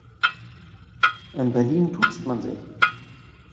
In Berlin duzt man sich.